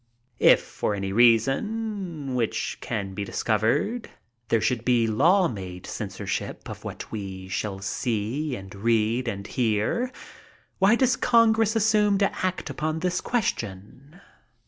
If for any reason which can be discovered there should be law made censorship of what we shall see and read and hear, why does G>ngress assume to act upon this question?'